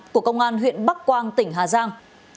của công an huyện bắc quang tỉnh hà giang